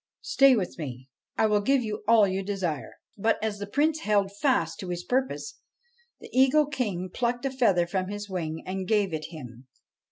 Stay with me: I will give you all you desire.' But, as the Prince held fast to his purpose, the Eagle King plucked a feather from his wing and gave it him.